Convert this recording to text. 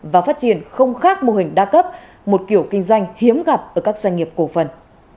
và phát triển không khác mô hình đa cấp một kiểu kinh doanh hiếm gặp ở các doanh nghiệp cổ phần